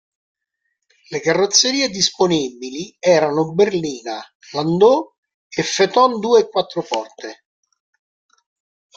Le carrozzerie disponibili erano berlina, landaulet e phaeton due e quattro porte.